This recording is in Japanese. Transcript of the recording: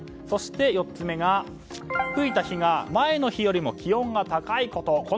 そして４つ目が、吹いた日が前の日よりも気温が高いこと。